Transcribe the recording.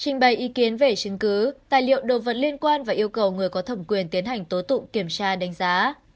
trình bày ý kiến về chứng cứ tài liệu đồ vật liên quan và yêu cầu người có thẩm quyền tiến hành tố tụng kiểm tra đánh giá